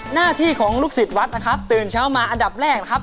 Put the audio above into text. หน้าที่ของลูกศิษย์วัดตื่นเช้ามาอันดับแรก